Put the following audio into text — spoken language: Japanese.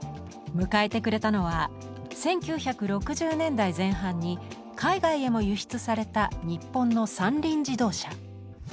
迎えてくれたのは１９６０年代前半に海外へも輸出された日本の三輪自動車。